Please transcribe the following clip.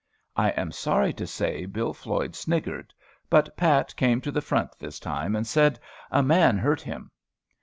I am sorry to say Bill Floyd sniggered; but Pat came to the front this time, and said "a man hurt him."